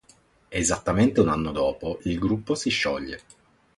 Esattamente un anno dopo, il gruppo si scioglie.